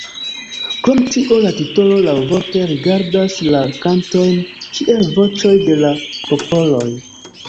Krom tio la titolo laŭvorte rigardas la kantojn kiel voĉoj de la popoloj.